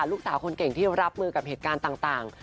ลูกสาวคนเก่งที่รับมือกับเหตุการณ์ต่าง